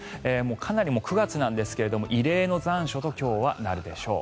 かなり９月なんですが異例の残暑と今日はなるでしょう。